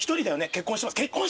結婚してます。